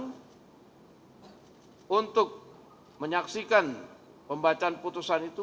tetap tenang untuk menyaksikan pembacaan putusan itu